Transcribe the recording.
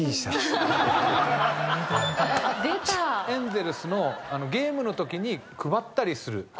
エンゼルスのゲームのときに配ったりする。